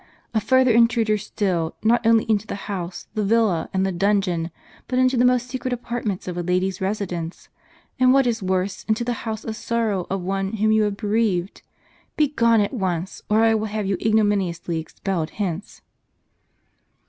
" A further intruder still ; not only into the house, the villa, and the dun geon, but into the most secret apartments of a lady's resi dence ; and what is worse, into the house of sorrow of one whom you have bereaved. Begone at once, or I will have you ignominiously expelled hence."